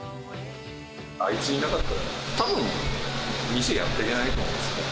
あいつがいなかったら、たぶん、店やってけないと思うんですね。